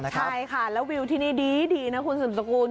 ใช่ค่ะแล้ววิวที่นี่ดีนะคุณสุดสกุล